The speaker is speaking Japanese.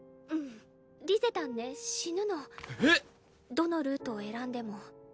どのルートを選んでも。